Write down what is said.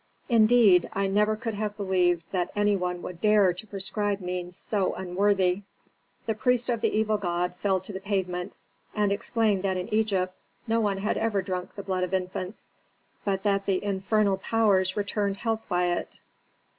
Indeed, I never could have believed that any one would dare to prescribe means so unworthy." The priest of the evil god fell to the pavement, and explained that in Egypt no one had ever drunk the blood of infants but that the infernal powers returned health by it.